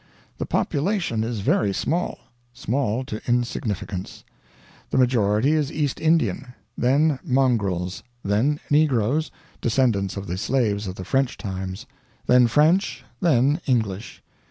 "The population is very small; small to insignificance. The majority is East Indian; then mongrels; then negroes (descendants of the slaves of the French times); then French; then English.